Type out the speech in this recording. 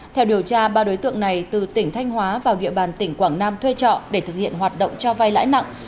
theo điều tra ba đối tượng này từ tỉnh thanh hóa vào địa bàn tỉnh quảng nam thuê trọ để thực hiện hoạt động cho vai lãi nặng